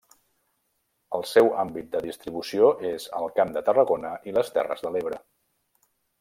El seu àmbit de distribució és el Camp de Tarragona i les Terres de l'Ebre.